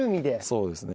そうですね。